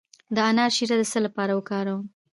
د انار شیره د څه لپاره وکاروم؟